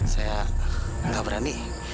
saya gak berani